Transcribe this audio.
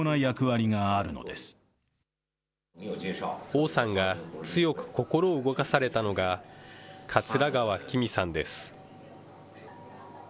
王さんが強く心を動かされたのが、桂川きみさんです。